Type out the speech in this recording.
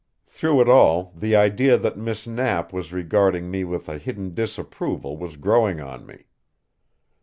Through it all the idea that Miss Knapp was regarding me with a hidden disapproval was growing on me.